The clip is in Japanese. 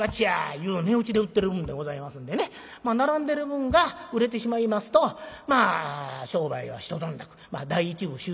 いう値打ちで売ってるもんでございますんでねまあ並んでる分が売れてしまいますとまあ商売は一段落第１部終了でございますな。